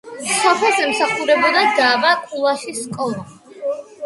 სოფელს ემსახურება დაბა კულაშის სკოლა.